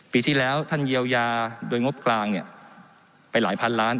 ปีที่แล้วท่านเยียวยาโดยงบกลางเนี่ยไปหลายพันล้าน